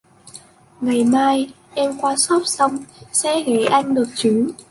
Ngày mai em qua Shop xong sẽ ghé anh được chứ